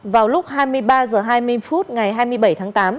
vào lúc hai mươi ba h hai mươi phút ngày hai mươi bảy tháng tám